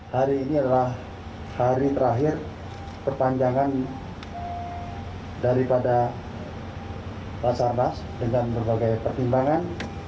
hari ini adalah hari terakhir perpanjangan daripada basarnas dengan berbagai pertimbangan